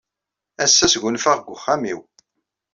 Ass-a, sgunfaɣ deg uxxam-inu.